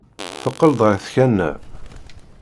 Teqqel-d ɣer tkanna.